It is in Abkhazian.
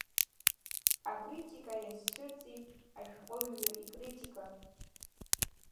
Акритика иазцәырҵит ашәҟәыҩҩ икритика.